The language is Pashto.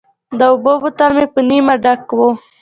د اوبو بوتل مې په نیمه ډک و.